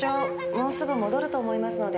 もうすぐ戻ると思いますので。